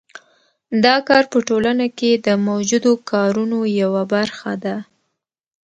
دا کار په ټولنه کې د موجودو کارونو یوه برخه ده